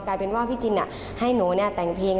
กลายเป็นว่าพี่จินให้หนูแต่งเพลง